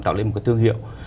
tạo lên một cái thương hiệu